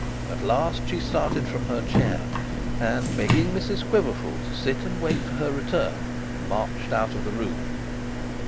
At last she started from her chair, and begging Mrs Quiverful to sit and wait for her return, marched out of the room.